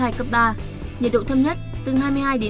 nhiệt độ thấp nhất từ hai mươi hai hai mươi năm độ